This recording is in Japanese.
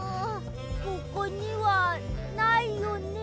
ここにはないよね？